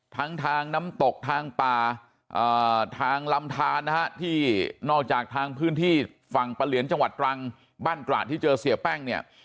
ทั้งทางน้ำตกทางป่าทางลำทานนะฮะที่นอกจากทางพื้นที่ฝั่งปะเหลียนจังหวัดตรังบ้านตระที่เจอเสียแป้งเนี่ย